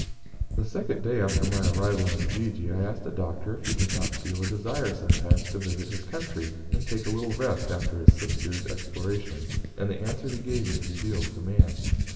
The second day after my arrival in Ujiji I asked the Doctor if he did not feel a desire, sometimes, to visit his country, and take a little rest after his six years' explorations; and the answer he gave me fully reveals the man.